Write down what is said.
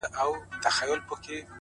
هره ورځ د اصلاح نوی فرصت لري؛